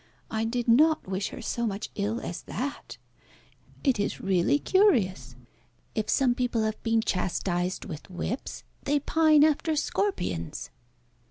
I did not wish her so much ill as that. It is really curious. If some people have been chastised with whips, they pine after scorpions.